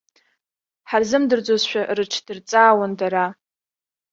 Ҳарзымдырӡозшәа рыҽдырҵаауан дара.